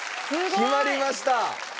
決まりました。